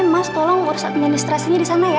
mas tolong urus administrasinya disana ya